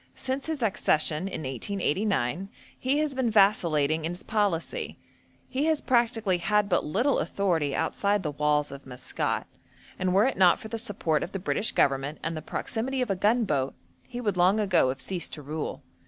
Since his accession, in 1889, he has been vacillating in his policy; he has practically had but little authority outside the walls of Maskat, and were it not for the support of the British Government and the proximity of a gunboat, he would long ago have ceased to rule.